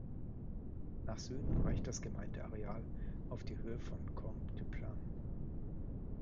Nach Süden reicht das Gemeindeareal auf die Höhe von "Combe du Plane".